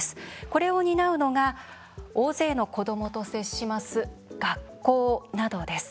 これを担うのが大勢の子どもと接します学校などです。